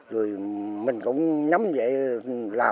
rồi mình cũng nhắm vậy làm